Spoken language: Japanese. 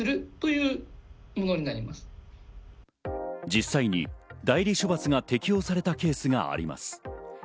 実際に代理処罰が適用されたケースがあります。